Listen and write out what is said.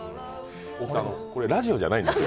大木さん、これラジオじゃないんですよ。